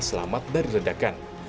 selamat dari ledakan